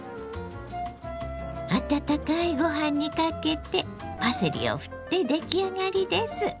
温かいご飯にかけてパセリをふって出来上がりです。